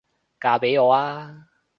嫁畀我吖？